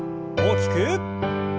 大きく。